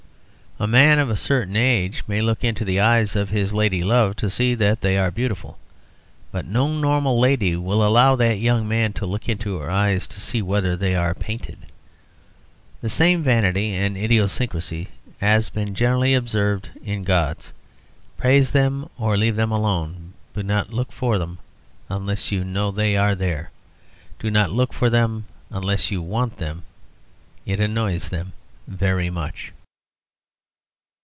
A man (of a certain age) may look into the eyes of his lady love to see that they are beautiful. But no normal lady will allow that young man to look into her eyes to see whether they are beautiful. The same vanity and idiosyncrasy has been generally observed in gods. Praise them; or leave them alone; but do not look for them unless you know they are there. Do not look for them unless you want them. It annoys them very much.